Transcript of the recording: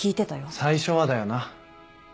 最初はだよな。